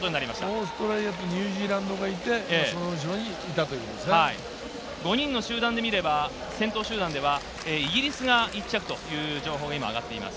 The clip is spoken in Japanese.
オーストラリアとニュージーランドがいて、そのあとにいたと５人の集団で見れば、先頭集団ではイギリスが１着という情報が今上がっています。